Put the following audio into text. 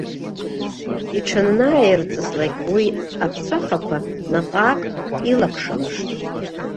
Иҽанааирҵыслак уи аԥҵәахақәа наҟ-ааҟ илакшалашт.